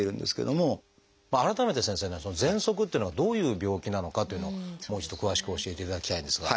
改めて先生ねそのぜんそくっていうのがどういう病気なのかというのをもう一度詳しく教えていただきたいんですが。